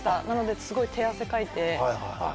なので、すごい手汗かいて。